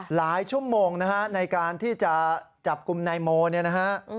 หลายชั่วโมงนะฮะในการที่จะจับกลุ่มนายโมเนี่ยนะฮะ